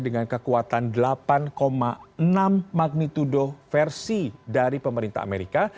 dan juga berkekuatan delapan enam magnitudo versi dari pemerintah amerika